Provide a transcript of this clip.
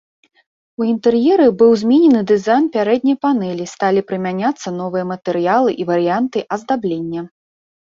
У інтэр'еры быў зменены дызайн пярэдняй панэлі, сталі прымяняцца новыя матэрыялы і варыянты аздаблення.